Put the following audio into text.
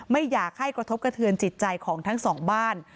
ไม่อยากให้กระทบกระเทือนจิตใจของทั้งสองบ้าน